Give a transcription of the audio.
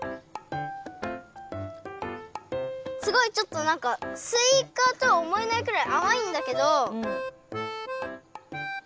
すごいちょっとなんかすいかとはおもえないくらいあまいんだけど。